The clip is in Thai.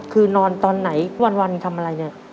คือนอนตอนไหนวันทำอะไรเนี่ย